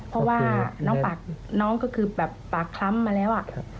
เพราะว่าน้องก็คือแบบปากคล้ำมาแล้ว